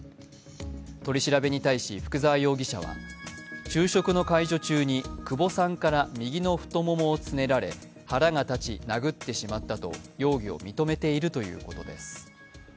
取り調べに対し福沢容疑者は、昼食の介助中に久保さんから右の太ももをつねられ腹が立ち殴ってしまったと容疑を認めているということです。